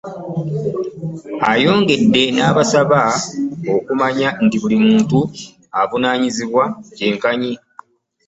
Ayongedde n'abasaba okumanya nti buli muntu avunaanyizibwa kyenkanyi